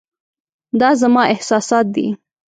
دا زما احساسات دي .